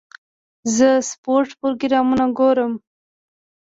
زه د سپورټ پروګرامونه ګورم.